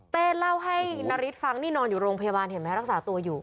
เล่าให้นาริสฟังนี่นอนอยู่โรงพยาบาลเห็นไหมรักษาตัวอยู่